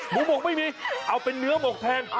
หมกไม่มีเอาเป็นเนื้อหมกแทน